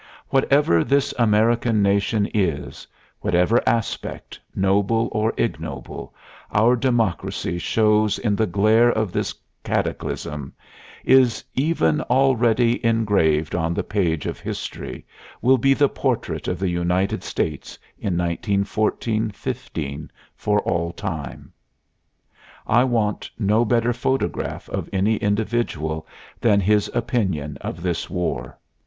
Whatever this American nation is, whatever aspect, noble or ignoble, our Democracy shows in the glare of this cataclysm, is even already engraved on the page of History, will be the portrait of the United States in 1914 15 for all time. I want no better photograph of any individual than his opinion of this war.